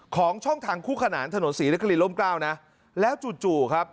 ของช่องทางคู่ขนานถนนศรีนครินร่มเกล้านะแล้วจู่จู่ครับ